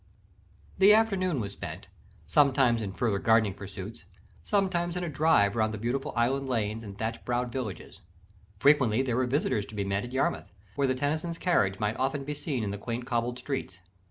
_ The afternoon was spent, sometimes in further gardening pursuits, sometimes in a drive around the peaceful Island lanes and thatch browed villages; frequently there were visitors to be met at Yarmouth, where the Tennysons' carriage might often be seen in the quaint cobbled streets.